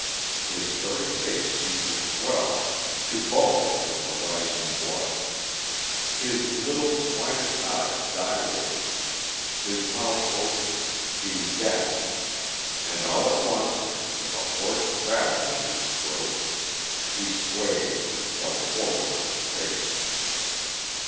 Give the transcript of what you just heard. His very face seemed to swell, to bulge with the rising blood. His little, swinish eyes dilated. His mouth opened. He gasped. And all at once, with a hoarse rattling in his throat, he swayed and fell forward on his face.